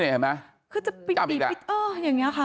นี่เห็นไหมคือจะปิดอย่างนี้ค่ะ